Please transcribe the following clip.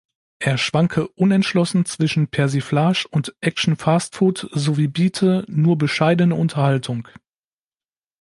Er schwanke "„unentschlossen zwischen Persiflage und Action-Fast-Food“" sowie biete "„nur bescheidene Unterhaltung“".